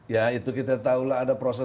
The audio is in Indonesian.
ya itu kita tahulah ada proses